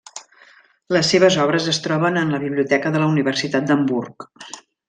Les seves obres es troben en la Biblioteca de la Universitat d'Hamburg.